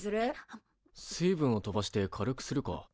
水分を飛ばして軽くするか。